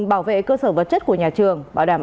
bảo vệ cơ sở vật chất của nhà trường bảo đảm